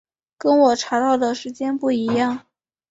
跟我查到的时间不一样